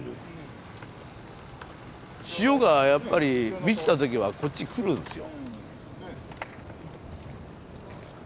潮がやっぱり満ちた時はこっち来るんですよ。